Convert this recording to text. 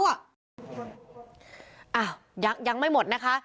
อ้าวยังไม่หมดนะคะ